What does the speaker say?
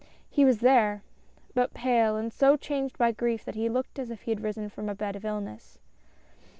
He was there ! but pale and so changed by grief that he looked as if he had risen from a bed of illness.